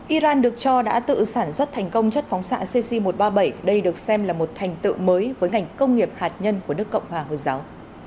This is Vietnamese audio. iran được cho đã tự sản xuất thành công chất phóng xạ cc một trăm ba mươi bảy đây được xem là một thành tựu mới với ngành công nghiệp hạt nhân của nước cộng hòa hồi giáo